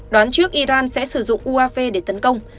đoán trước iran sẽ sử dụng uaf để tấn công